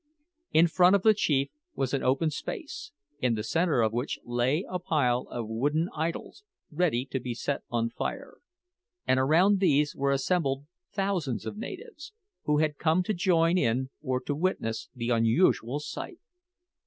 In front of the chief was an open space, in the centre of which lay a pile of wooden idols, ready to be set on fire; and around these were assembled thousands of natives, who had come to join in or to witness the unusual sight.